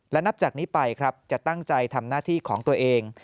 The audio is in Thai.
และนับจากนี้ไปครับจะตั้งใจทำหน้าที่ของตัวเอง